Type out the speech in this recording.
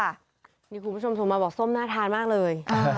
นี่คุณผู้ชมส่งมาบอกส้มน่าทานมากเลย